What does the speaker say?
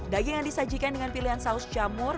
daging yang disajikan dengan pilihan saus jamur